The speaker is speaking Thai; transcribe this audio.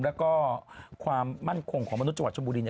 แล้วก็ความมั่นคงของมนุษย์จังหวัดชมบุรี